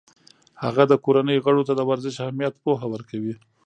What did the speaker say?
هغه د کورنۍ غړو ته د ورزش اهمیت پوهه ورکوي.